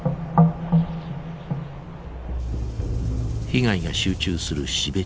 被害が集中する標茶町。